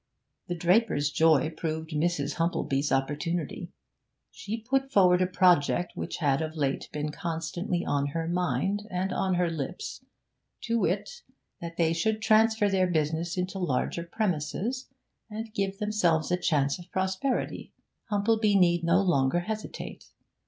The draper's joy proved Mrs. Humplebee's opportunity. She put forward a project which had of late been constantly on her mind and on her lips, to wit, that they should transfer their business into larger premises, and give themselves a chance of prosperity. Humplebee need no longer hesitate.